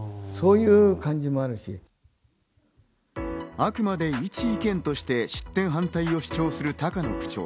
あくまで一意見として出店反対を主張する高野区長。